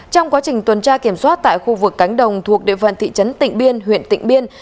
trong quá trình tuần tra kiểm soát tại khu vực cánh đồng thuộc địa phương thị trấn tỉnh biên huyện tỉnh biên